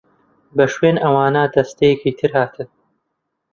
بە شوێن ئەوانا دەستەیەکی تر هاتن.